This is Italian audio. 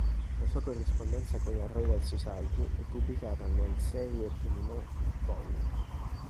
La sua corrispondenza con la Royal Society è pubblicata nel serie I, vol.